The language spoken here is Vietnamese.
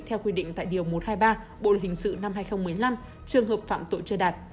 theo quy định tại điều một trăm hai mươi ba bộ luật hình sự năm hai nghìn một mươi năm trường hợp phạm tội chưa đạt